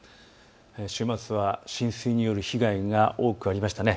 週末は浸水による被害が多くありましたね。